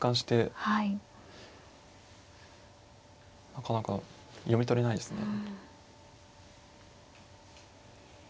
なかなか読み取れないですね。